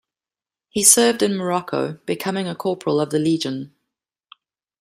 He served in Morocco, becoming a corporal of the Legion.